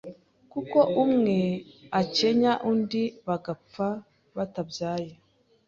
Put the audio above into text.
kuko umwe akenya undi bagapfa batabyaye